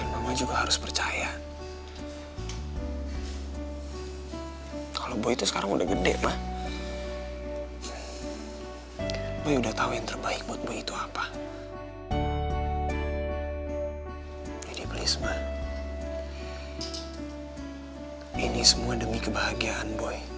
mama jangan bikin clara itu bakalan jadi korban